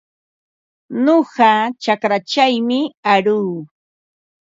Nuqa chakraćhawmi aruu.